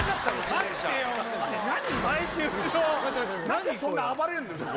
何でそんな暴れんのよ？